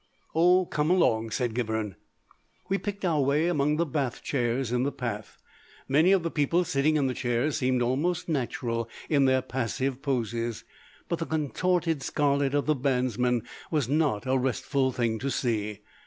"Oh, come along!" said Gibberne. We picked our way among the bath chairs in the path. Many of the people sitting in the chairs seemed almost natural in their passive poses, but the contorted scarlet of the bandsmen was not a restful thing to see.